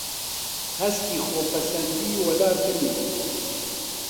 هەستی خۆپەسەندیی وەلابنێیت